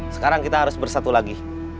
sekarang kita harus bersatu lagi